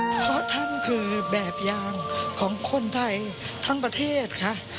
เพราะท่านคือแบบอย่างของคนไทยทั้งประเทศค่ะ